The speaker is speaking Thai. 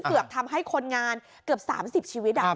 เกือบทำให้คนงานเกือบ๓๐ชีวิต